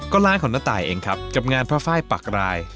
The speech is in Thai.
ก็ร้านของน้าตายเองครับกับงานพระไฟล์ปากราย